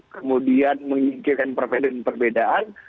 kemudian menginginkan perbedaan perbedaan